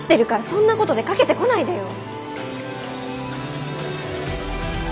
そんなことでかけてこないでよ。